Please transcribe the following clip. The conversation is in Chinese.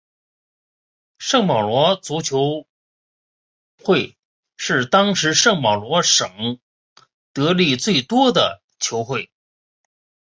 圣保罗足球会是当时圣保罗省得利最多的球会。